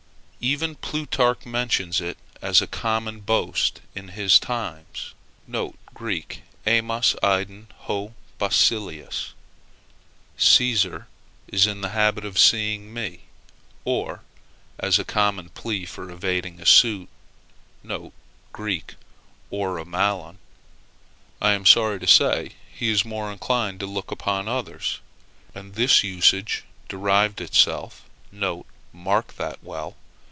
Even Plutarch mentions it as a common boast in his times, [Greek: aemas eiden ho basileus] Cæsar is in the habit of seeing me; or, as a common plea for evading a suit, [Greek: ora mallon] I am sorry to say he is more inclined to look upon others. And this usage derived itself (mark that well!)